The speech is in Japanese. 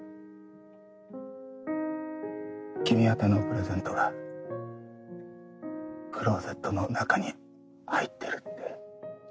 君宛てのプレゼントがクローゼットの中に入ってるって。